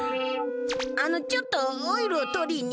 あのちょっとオイルを取りに。